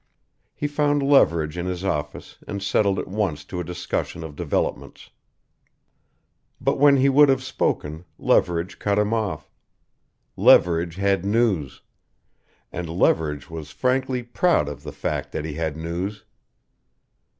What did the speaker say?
He found Leverage in his office and settled at once to a discussion of developments. But when he would have spoken Leverage cut him off. Leverage had news and Leverage was frankly proud of the fact that he had news.